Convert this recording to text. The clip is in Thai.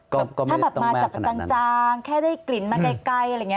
ก็ไม่ต้องมากขนาดนั้นถ้ามาจับจางแค่ได้กลิ่นมาไกล